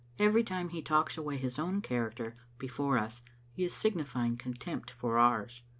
Every time he talks away his own character before us he is signifying contempt for ours.